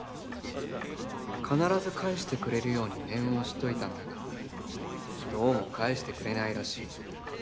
「必ず返してくれるように念を押しておいたんだが、どうも返してくれないらしい。